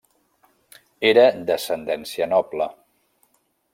Era d'ascendència noble.